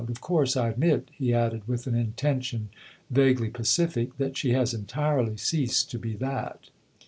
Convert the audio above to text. Of course I admit," he added with an intention vaguely pacific, "that she has entirely ceased to be that."